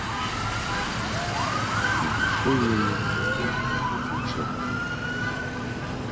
На душы ў яе было чорна.